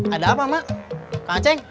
ada apa ma kak ceng